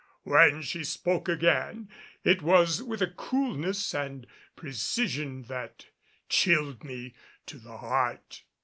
When she spoke again, it was with a coolness and precision, that chilled me to the heart.